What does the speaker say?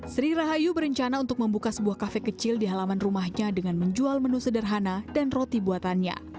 sri rahayu berencana untuk membuka sebuah kafe kecil di halaman rumahnya dengan menjual menu sederhana dan roti buatannya